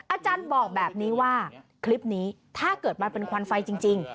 อาจารย์บอกแบบนี้ว่าคลิปนี้ถ้าเกิดมันเป็นควันไฟจริง